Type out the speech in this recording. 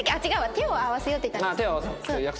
手を合わせようって言ったんでしたっけ。